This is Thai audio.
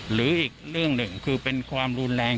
หรืออีกเรื่องหนึ่งคือเป็นความรุนแรง